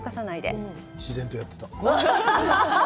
自然とやっていた。